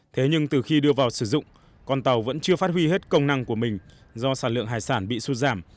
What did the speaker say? thế nhưng từ khi đưa vào sử dụng con tàu vẫn chưa phát huy hết công năng của mình do sản lượng hải sản bị sụt giảm